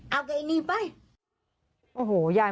เอาไอ้นี่ไป